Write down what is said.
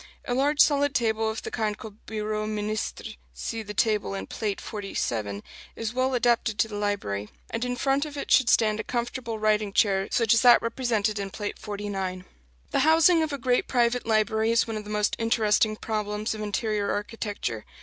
A large solid table of the kind called bureau ministre (see the table in Plate XLVII) is well adapted to the library; and in front of it should stand a comfortable writing chair such as that represented in Plate XLIX. [Illustration: PLATE XLIX. WRITING CHAIR, LOUIS XV PERIOD.] The housing of a great private library is one of the most interesting problems of interior architecture.